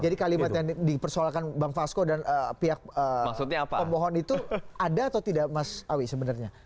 jadi kalimat yang dipersoalkan bang fasko dan pihak pembohon itu ada atau tidak mas awi sebenarnya